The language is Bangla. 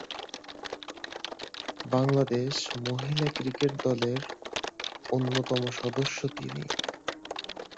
বাংলাদেশ মহিলা ক্রিকেট দলের অন্যতম সদস্য তিনি।